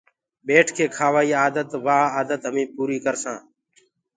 ٻيٺ ڪي کآوائي آدتي وآ آدت همريٚ پوريٚ ڪرسآنٚ۔